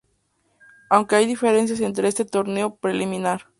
Aunque hay diferencias en este torneo preliminar.